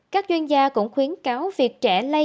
các chuyên gia cũng khuyến cáo việc trẻ